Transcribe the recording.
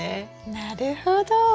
なるほど。